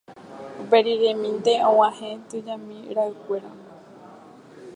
Uperiremínte og̃uahẽ tujami ra'ykuéra